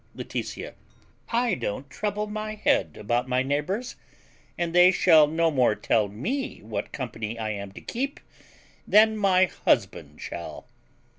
Laetitia. I don't trouble my head about my neighbours; and they shall no more tell me what company I am to keep than my husband shall.